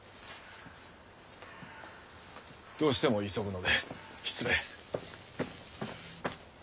どうしても急ぐので失礼。